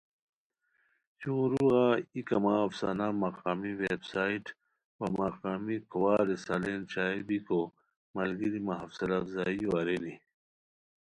شروغہ ای کما افسانہ مقامی ویب سائیڈ وا مقامی کھوار رسالین شائع بیکو ملگیری مہ حوصلہ افزائیو ارینی